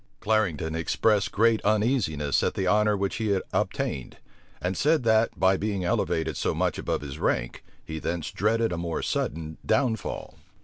[*] Clarendon expressed great uneasiness at the honor which he had obtained; and said that, by being elevated so much above his rank, he thence dreaded a more sudden downfall.